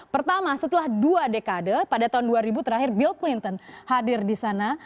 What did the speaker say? pertama setelah dua dekade pada tahun dua ribu terakhir bill clinton hadir di sana